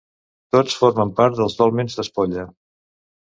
Tots formen part dels dòlmens d'Espolla.